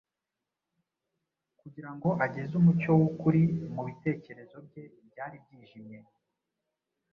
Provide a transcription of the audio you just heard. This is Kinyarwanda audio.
kugira ngo ageze umucyo w’ukuri mu bitekerezo bye byari byijimye.